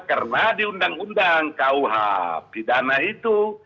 karena di undang undang kuh pidana itu